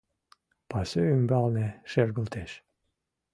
Пасу ӱмбалне шергылтеш.